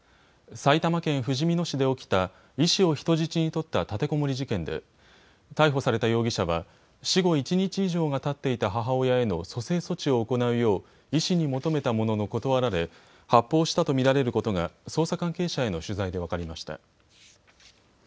埼玉県ふじみ野市で起きた医師を人質に取った立てこもり事件で逮捕された容疑者は死後１日以上がたっていた母親への蘇生措置を行うよう医師に求めたものの断られ発砲したと見られることが捜査関係者への取材で分かりました。